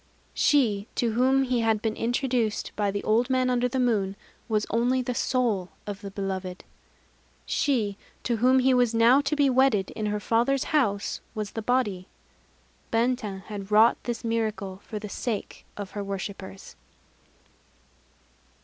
_ She to whom he had been introduced by the Old Man under the Moon, was only the soul of the beloved. She to whom he was now to be wedded, in her father's house, was the body. Benten had wrought this miracle for the sake of her worshippers.